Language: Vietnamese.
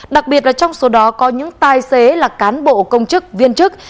đặc biệt là trong số đó có những tài xế là cán bộ công chức viên chức